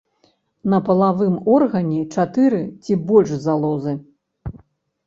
На палавым органе чатыры ці больш залозы.